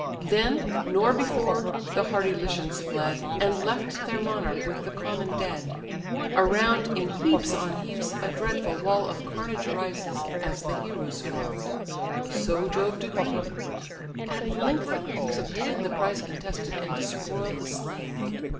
Then, nor before, the hardy Lycians fled, And left their monarch with the common dead: Around, in heaps on heaps, a dreadful wall Of carnage rises, as the heroes fall. (So Jove decreed!) At length the Greeks obtain The prize contested, and despoil the slain.